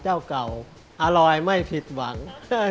เจ้าเก่าอร่อยไม่ผิดหวัง